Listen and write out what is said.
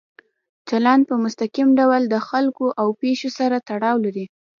چلند په مستقیم ډول د خلکو او پېښو سره تړاو لري.